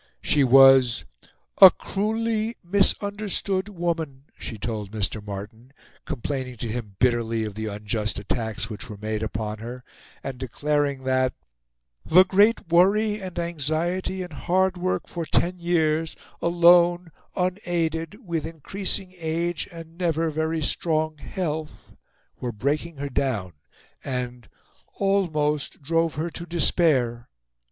She was "a cruelly misunderstood woman," she told Mr. Martin, complaining to him bitterly of the unjust attacks which were made upon her, and declaring that "the great worry and anxiety and hard work for ten years, alone, unaided, with increasing age and never very strong health" were breaking her down, and "almost drove her to despair."